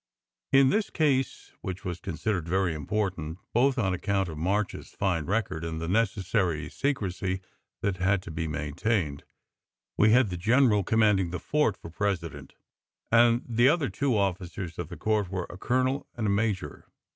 In this case, which was considered very important, both on account of March s fine record and the necessary secrecy that had to be main tained, we had the general commanding the Fort for presi dent, and the other two officers of the court were a colonel and a major.